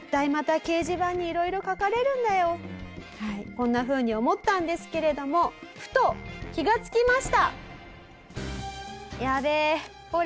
こんなふうに思ったんですけれどもふと気がつきました。